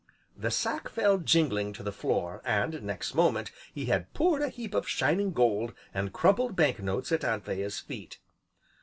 The sack fell jingling to the floor, and, next moment, he had poured a heap of shining gold and crumpled banknotes at Anthea's feet.